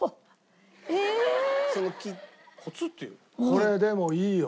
これでもいいよ。